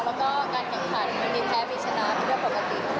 แล้วก็การแข่งขันมีแพ้มีชนะไม่เกิดปกติ